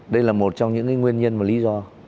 đây là một trong những cái nguyên nhân và lý do